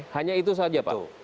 hanya itu saja pak